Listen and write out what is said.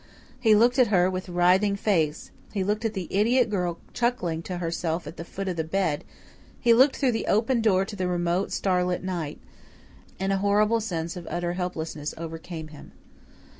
He looked at her writhing face; he looked at the idiot girl chuckling to herself at the foot of the bed; he looked through the open door to the remote, starlit night and a horrible sense of utter helplessness overcame him.